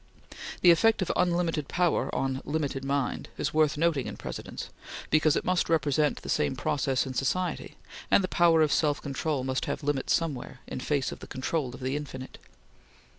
The effect of unlimited power on limited mind is worth noting in Presidents because it must represent the same process in society, and the power of self control must have limit somewhere in face of the control of the infinite.